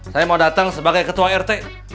saya mau datang sebagai ketua rt